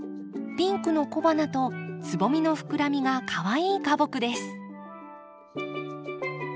ピンクの小花とつぼみの膨らみがかわいい花木です。